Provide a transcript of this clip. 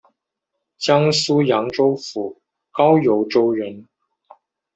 江苏扬州府高邮州人。